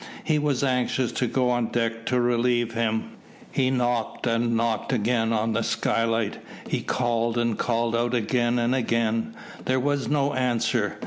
He was anxious to go on deck to relieve him. He knocked and knocked again on the skylight. He called and called out again and again. There was no answer.